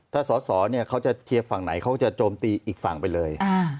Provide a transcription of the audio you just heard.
ถ้าสอสอเนี่ยเขาจะเชียร์ฝั่งไหนเขาก็จะโจมตีอีกฝั่งไปเลย